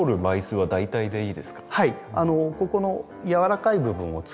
はい。